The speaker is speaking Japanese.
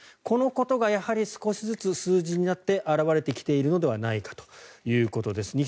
このことがやはり少しずつ数字になって表れてきているのではないかということです。